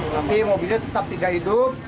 tapi mobilnya tetap tidak hidup